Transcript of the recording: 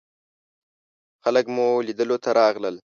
خلک مو لیدلو ته راغلل.